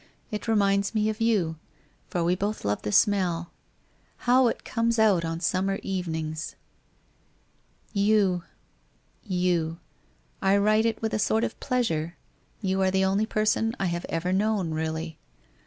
It reminds me of you, for we both love the smell. How it comes out on summer evenings ! You. You. I write it with a sort of pleasure, you are the only person I have ever known really.